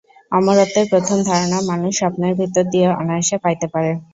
অমরত্বের প্রথম ধারণা মানুষ স্বপ্নের ভিতর দিয়া অনায়াসে পাইতে পারে।